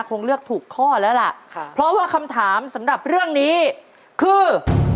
คงเลือกถูกข้อแล้วล่ะค่ะเพราะว่าคำถามสำหรับเรื่องนี้คือ